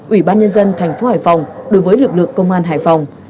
ủy ban nhân dân thành phố hải phòng đối với lực lượng công an hải phòng